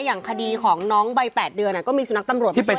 อย่างคดีของน้องวัย๘เดือนก็มีสุนัขตำรวจมาส่ง